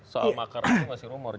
soal makar itu masih rumor